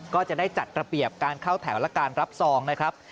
ก็จะได้จัดระเบียบการเข้าแถวและการรับซองนะครับ